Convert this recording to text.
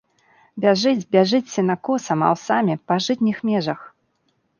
Бяжыць, бяжыць сенакосам, аўсамі, па жытніх межах.